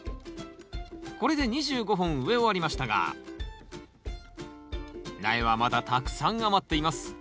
これで２５本植え終わりましたが苗はまだたくさん余っています。